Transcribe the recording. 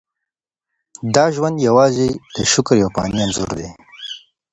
دا ژوند یوازې د شکر یو فاني انځور دی.